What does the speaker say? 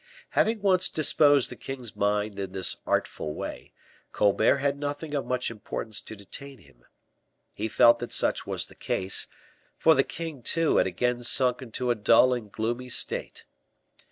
Having once disposed the king's mind in this artful way, Colbert had nothing of much importance to detain him. He felt that such was the case, for the king, too, had again sunk into a dull and gloomy state.